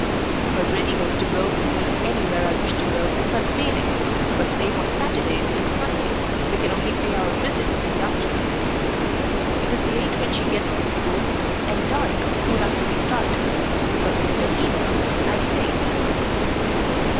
Her readiness to go with me anywhere I wish to go is unfailing, but save on Saturdays and Sundays we can only pay our visits in the afternoon. It is late when she gets from school, and dark soon after we start, but with Bettina I am safe.